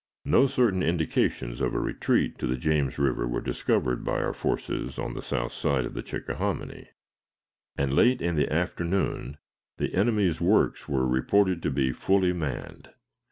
No certain indications of a retreat to the James River were discovered by our forces on the south side of the Chickahominy, and late in the afternoon the enemy's works were reported to be fully manned.